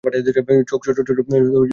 চোখ ছোট-ছোট, ঠোঁট কালচে।